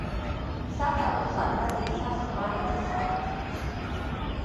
სადავო საგნად იქცა სვანეთის საკითხიც.